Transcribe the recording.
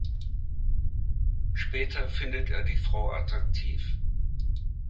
Später findet er die Frau attraktiv.